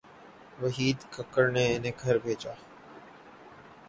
وحید کاکڑ نے انہیں گھر بھیجا۔